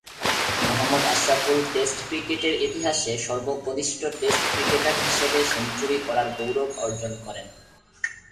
Mohammad Ashraful test ক্রিকেটের ইতিহাসে সর্বকনিষ্ঠ টেস্ট ক্রিকেটার হিসেবে সেঞ্চুরি করার গৌরব অর্জন করেন।